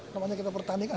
namanya kita pertandingan